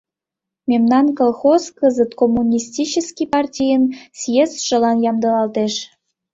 Мемнан колхоз кызыт Коммунистический партийын съездшылан ямдылалтеш.